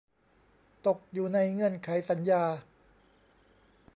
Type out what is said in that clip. ตกอยู่ในเงื่อนไขสัญญา